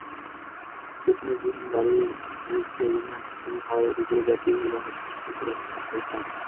ফিটনেসবিহীন গাড়ির বিরুদ্ধে অভিযান শুরু হওয়ায় দুপুরে যাত্রীবাহী বাসের সংখ্যা ছিল তুলনামূলকভাবে কম।